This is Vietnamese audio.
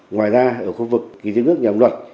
ngoài ra ở khu vực giếng nước nhà ông luật